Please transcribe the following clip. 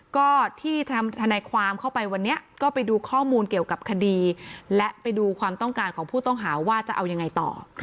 ก็ที่ทนายความเข้าไปวันนี้ก็ไปดูข้อมูลเกี่ยวกับคดีและไปดูความต้องการของผู้ต้องหาว่าจะเอายังไงต่อ